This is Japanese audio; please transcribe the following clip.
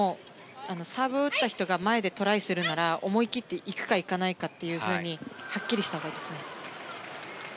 サーブを打った人が前でトライするなら思い切って行くか行かないかってはっきりしたほうがいいですね。